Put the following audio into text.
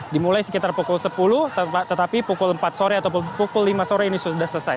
dimulai sekitar pukul sepuluh tetapi pukul empat sore atau pukul lima sore ini sudah selesai